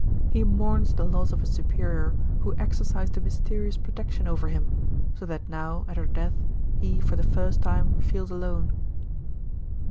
He mourns the loss of a superior who exercised a mysterious protec tion over him, so that now, at her death, he for the first time feels alone.